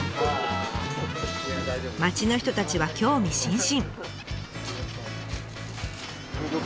町の人たちは興味津々。